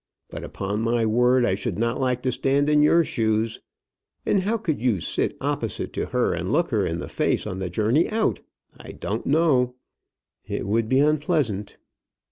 But, upon my word, I should not like to stand in your shoes. And how you could sit opposite to her and look her in the face on the journey out, I don't know." "It would be unpleasant."